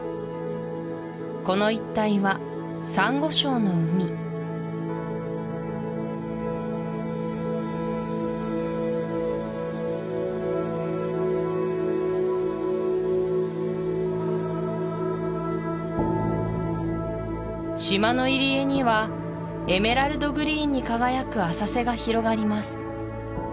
この一帯はサンゴ礁の海島の入り江にはエメラルドグリーンに輝く浅瀬が広がります